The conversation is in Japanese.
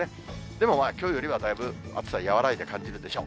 でも、きょうよりはだいぶ暑さ和らいで感じるでしょう。